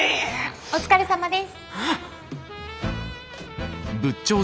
お疲れさまです。